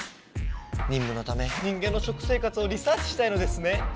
にんむのため人間の食生活をリサーチしたいのですね？